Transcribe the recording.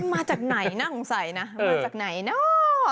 มาจากไหนน่ะคงใส่นะมาจากไหนน่ะ